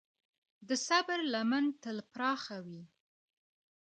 د صبر لمن تل پراخه وي.